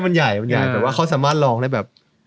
มันใหญ่มันใหญ่แต่ว่าเขาสามารถลองได้แบบ